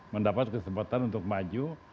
mendapat kesempatan untuk maju